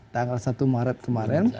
tanggal satu maret kemarin